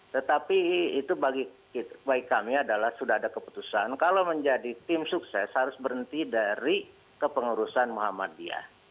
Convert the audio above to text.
tetapi itu bagi kami adalah sudah ada keputusan kalau menjadi tim sukses harus berhenti dari kepengurusan muhammadiyah